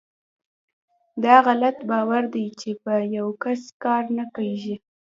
داغلط باور دی چې په یوکس کار نه کیږي .